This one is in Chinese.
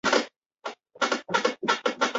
柳丝藻为眼子菜科眼子菜属下的一个种。